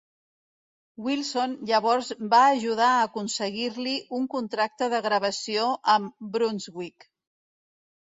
Wilson llavors va ajudar a aconseguir-li un contracte de gravació amb Brunswick.